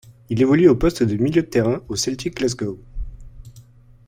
Il évolue au poste de milieu de terrain au Celtic Glasgow.